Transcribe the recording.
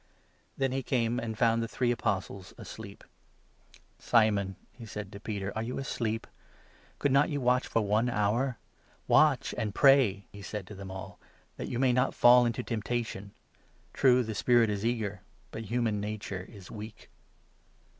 Then he came and found the three Apostles asleep. 37 "Simon," he said to Peter, "are you asleep? Could not you watch for one hour ? Watch and pray," he said to them 38 all, "that you may not fall into temptation. True, the spirit is eager, but human nature is weak."